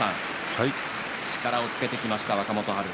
力をつけてきました、若元春。